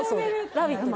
「ラヴィット！」で？